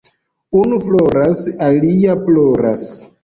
Unu floras, alia ploras.